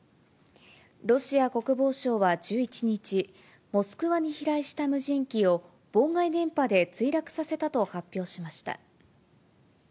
ロシア国防省は１１日、モスクワに飛来した無人機を妨害電波で墜落させたと発表しました。